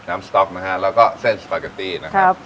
สต๊อกนะฮะแล้วก็เส้นสปาเกตตี้นะครับ